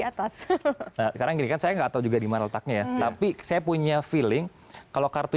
atas sekarang gini kan saya nggak tahu juga dimana letaknya ya tapi saya punya feeling kalau kartu